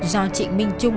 do trịnh minh trung